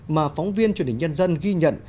mà phóng viên truyền hình nhân dân ghi nhận